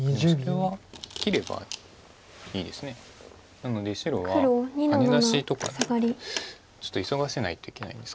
なので白はハネ出しとかでちょっと急がせないといけないんですか。